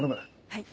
はい。